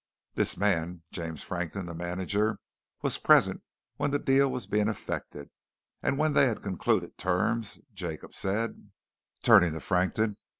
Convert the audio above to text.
This man, James Frankton, the manager, was present when the deal was being effected, and when they'd concluded terms, Jacob said, turning to Frankton.